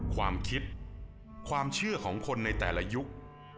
ความคิดความเชื่อของคนในแต่ละยุค